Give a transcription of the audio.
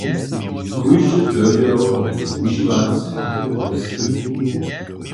Kóždy dyrbjał jej wužiwać móc.